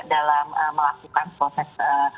dalam melakukan proses